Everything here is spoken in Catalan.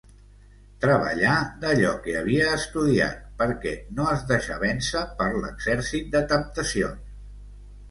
Treballà d'allò que havia estudiat perquè no es deixà vèncer per l'exèrcit de temptacions.